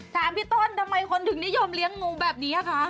ถามพี่ต้นทำไมคนถึงนิยมเลี้ยงงูแบบนี้คะ